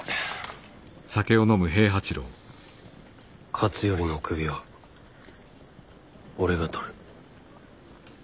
勝頼の首は俺が取る。